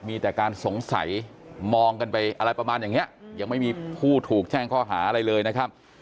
มีแต่การสงสัยมองกันไปอะไรประมาณอย่างเนี้ยยังไม่มีผู้ถูกแจ้งข้อหาอะไรเลยนะครับ